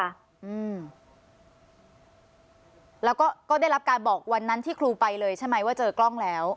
อืมแล้วก็ก็ได้รับการบอกวันนั้นที่ครูไปเลยใช่ไหมว่าเจอกล้องแล้ว